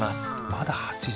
まだ８時。